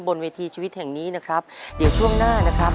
บนเวทีชีวิตแห่งนี้นะครับเดี๋ยวช่วงหน้านะครับ